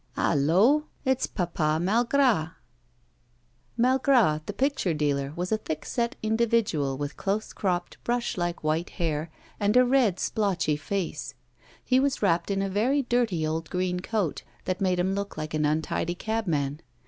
'Hallo, it's Papa Malgras.' Malgras, the picture dealer, was a thick set individual, with close cropped, brush like, white hair, and a red splotchy face. He was wrapped in a very dirty old green coat, that made him look like an untidy cabman.